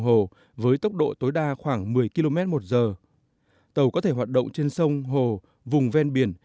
hồ với tốc độ tối đa khoảng một mươi km một giờ tàu có thể hoạt động trên sông hồ vùng ven biển